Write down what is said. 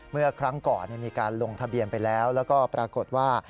เมื่อครั้งก่อนมีการลงทะเบียนไปแล้วแล้วก็ปรากฏว่า